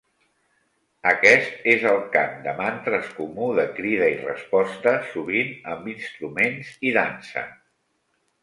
Aquest és el cant de mantres comú de crida i resposta, sovint amb instruments i dansa.